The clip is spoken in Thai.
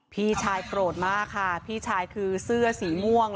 พี่ชายโกรธมากค่ะพี่ชายคือเสื้อสีม่วง